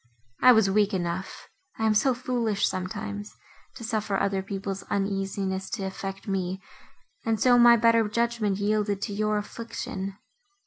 I was weak enough—I am so foolish sometimes!—to suffer other people's uneasiness to affect me, and so my better judgment yielded to your affliction.